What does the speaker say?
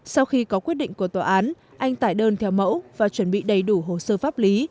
sau khi có quyết định của tòa án anh tải đơn theo mẫu và chuẩn bị đầy đủ hồ sơ pháp lý